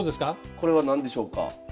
これは何でしょうか？